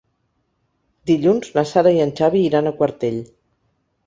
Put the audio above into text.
Dilluns na Sara i en Xavi iran a Quartell.